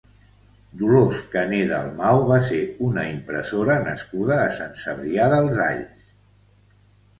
Dolors Cané Dalmau va ser una impressora nascuda a Sant Cebrià dels Alls.